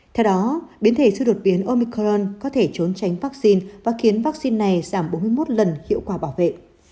theo đó biến thể chưa đột biến omicron có thể trốn tránh vaccine và khiến vaccine này giảm bốn mươi một lần hiệu quả bảo vệ